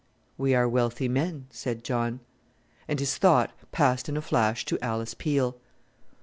"We are wealthy men," said John. And his thought passed in a flash to Alice Peel.